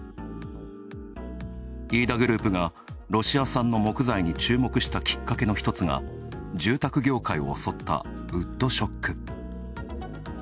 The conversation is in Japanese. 飯田グループがロシア産の木材に注目したきっかけのひとつが住宅業界を襲ったウッドショック。